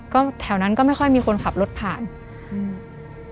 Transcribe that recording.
ก็แถวนั้นก็ไม่ค่อยมีคนขับรถผ่านอืม